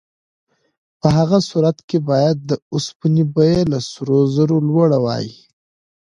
په هغه صورت کې باید د اوسپنې بیه له سرو زرو لوړه وای.